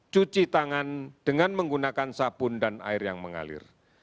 cuci tangan dengan menggunakan sabun dan air yang mengalir